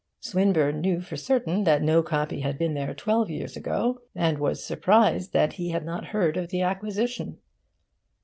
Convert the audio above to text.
Swinburne knew for certain that no copy had been there twelve years ago, and was surprised that he had not heard of the acquisition.